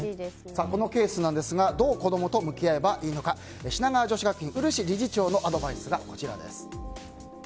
このケースですがどう子供と向き合えばいいのか品川女子学院漆理事長のアドバイスです。